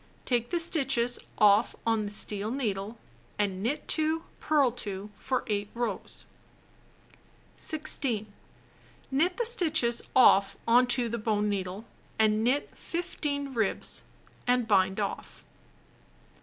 Take the stitches off on the steel needle and knit 2, purl 2, for 8 rows. 16. Knit the stitches off on to the bone needle and knit 15 ribs, and bind off.